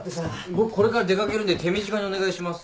僕これから出掛けるんで手短にお願いします。